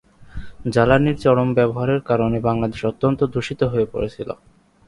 জ্বালানির চরম ব্যবহারের কারণে বাংলাদেশ অত্যন্ত দূষিত হয়ে পড়েছিল।